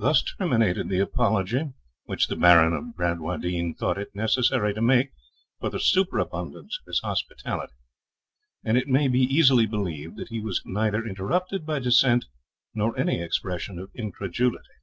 Thus terminated the apology which the Baron of Bradwardine thought it necessary to make for the superabundance of his hospitality; and it may be easily believed that he was neither interrupted by dissent nor any expression of incredulity.